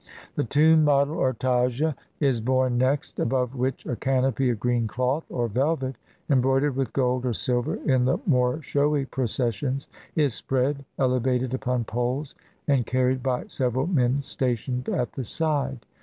The tomb model, or tazia, is borne next; above which a canopy of green cloth or velvet, embroidered with gold or silver in the more showy processions, is spread, ele vated upon poles and carried by several men stationed at the side.